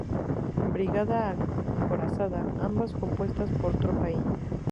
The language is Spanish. Brigada Acorazada, ambas compuestas por tropa india.